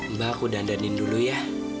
mbak aku dandanin dulu ya